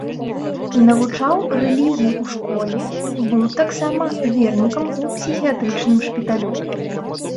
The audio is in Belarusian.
Навучаў рэлігіі ў школе, быў таксама вернікаў у псіхіятрычным шпіталю.